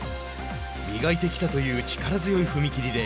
磨いてきたという力強い踏み切りで